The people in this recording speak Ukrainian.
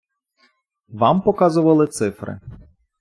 Вам показували цифри.